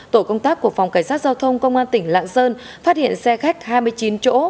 tổ công tác của phòng cảnh sát giao thông công an tỉnh lạng sơn phát hiện xe khách hai mươi chín chỗ